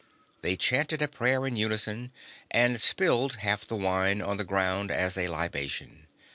They chanted a prayer in unison and spilled half the wine on the ground as a libation.